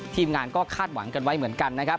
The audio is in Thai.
ทีมงานก็คาดหวังกันไว้เหมือนกันนะครับ